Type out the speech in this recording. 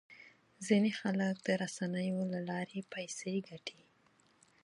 ځینې خلک د رسنیو له لارې پیسې ګټي.